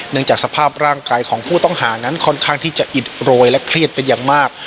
จากสภาพร่างกายของผู้ต้องหานั้นค่อนข้างที่จะอิดโรยและเครียดเป็นอย่างมาก